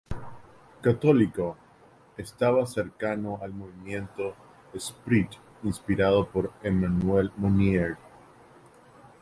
Católico, estaba cercano al Movimiento "Esprit" inspirado por Emmanuel Mounier.